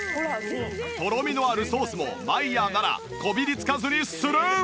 とろみのあるソースもマイヤーならこびりつかずにスルン！